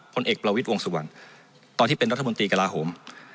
ผลเอกประวิทย์วงสุวรรณตอนที่เป็นรัฐมนตรีกระลาโหม